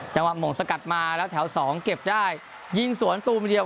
หม่งสกัดมาแล้วแถวสองเก็บได้ยิงสวนตูมเดียว